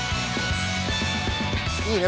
いいね。